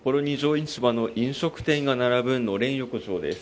市場飲食店の並ぶ、のれん横丁です。